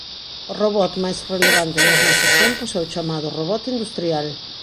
O robot máis relevante nos nosos tempos é o chamado robot industrial.